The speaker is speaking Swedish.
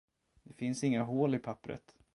Det finns inga hål i pappret.